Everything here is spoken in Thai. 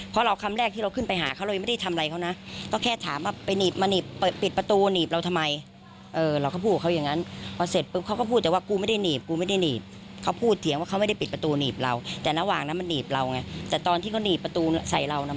แต่ระหว่างนั้นมันหนีบเราไงแต่ตอนที่เขาหนีบประตูใส่เรา